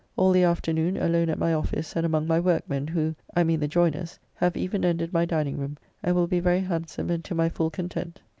All the afternoon alone at my office and among my workmen, who (I mean the joyners) have even ended my dining room, and will be very handsome and to my full content.